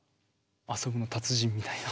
遊びの達人みたいな？